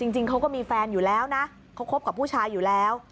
จริงเขาก็มีแฟนอยู่แล้วนะเขาคบกับผู้ชายอยู่แล้ว